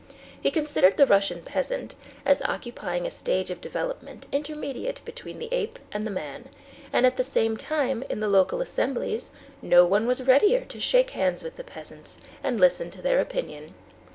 He considered the Russian peasant as occupying a stage of development intermediate between the ape and the man, and at the same time in the local assemblies no one was readier to shake hands with the peasants and listen to their opinion.